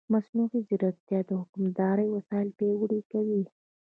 مصنوعي ځیرکتیا د حکومتدارۍ وسایل پیاوړي کوي.